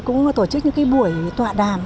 cũng tổ chức những cái buổi tọa đàm